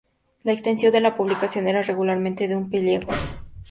La extensión de la publicación era regularmente de un solo pliego.